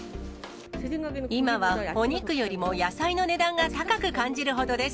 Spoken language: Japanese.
今はお肉よりも野菜の値段が高く感じるほどです。